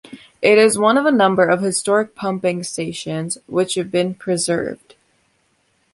It is one of a number of historic pumping stations which have been preserved.